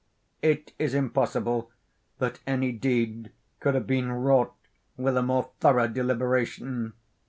It is impossible that any deed could have been wrought with a more thorough deliberation.